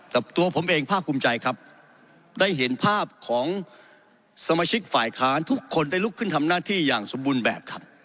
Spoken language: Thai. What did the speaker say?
แต่ตัวผมเองภาคภูมิใจครับได้เห็นภาพของสมาชิกฝ่ายค้านทุกคนได้ลุกขึ้นทำหน้าที่อย่างสมบูรณ์แบบครับ